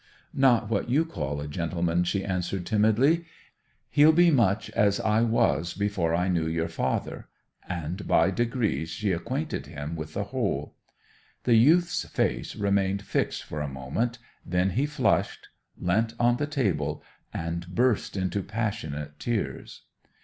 'Not what you call a gentleman,' she answered timidly. 'He'll be much as I was before I knew your father;' and by degrees she acquainted him with the whole. The youth's face remained fixed for a moment; then he flushed, leant on the table, and burst into passionate tears.